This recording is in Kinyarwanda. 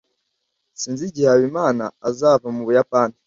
sinzi igihe habimana azava mu buyapani